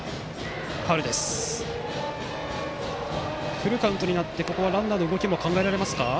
フルカウントになってここはランナーの動きも考えられますか？